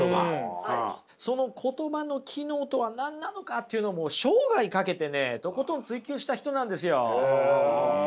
言葉の機能とは何なのかというのを生涯かけてねとことん追求した人なんですよ。